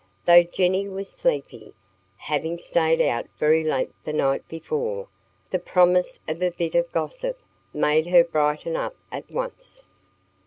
Though Jennie was sleepy, having stayed out very late the night before, the promise of a bit of gossip made her brighten up at once.